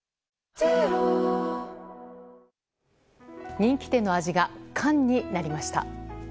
人気店の味が缶になりました。